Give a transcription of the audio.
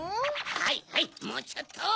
はいはいもうちょっと！